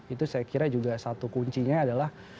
itu saya kira juga satu kuncinya adalah